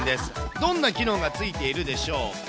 どんな機能がついているでしょうか。